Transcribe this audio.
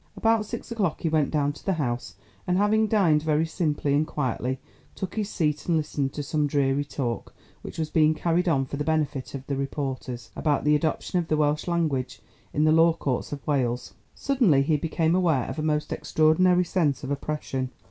About six o'clock he went down to the House, and having dined very simply and quietly, took his seat and listened to some dreary talk, which was being carried on for the benefit of the reporters, about the adoption of the Welsh language in the law courts of Wales. Suddenly he became aware of a most extraordinary sense of oppression.